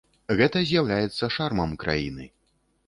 Гэта з'яўляецца шармам краіны.